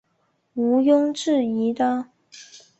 无庸置疑的